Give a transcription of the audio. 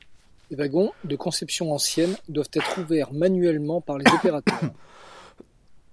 Les wagons, de conception ancienne, doivent être ouverts manuellement par les opérateurs.